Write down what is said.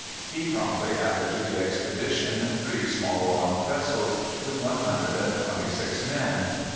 He promptly added to the expedition three small armed vessels, with one hundred and twenty six men.